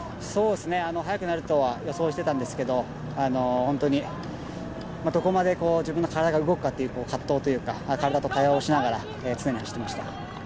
速くなるとは予想していたんですけど、どこまで自分の体が動くかという葛藤というか、体と対話をしながら常に走っていました。